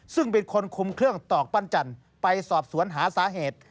ซึ่งเป็นคนคุมเครื่องตอกปั้นจันทร์ไปสอบสวนหาสาเหตุ